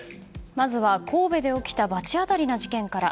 まずは、神戸で起きた罰当たりな事件から。